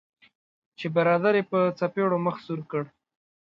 چې برادر یې په څپیړو مخ سور کړ.